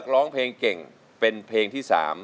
ห้า